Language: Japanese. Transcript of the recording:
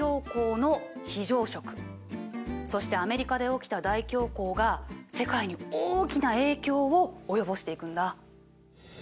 まさにそしてアメリカで起きた大恐慌が世界に大きな影響を及ぼしていくんだ。